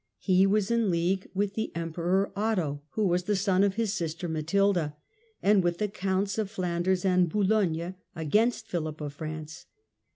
He was in league with the Emperor Otto (who was the son of his sister Matilda), and with the Counts of Flanders and Boulogne, against Philip of France.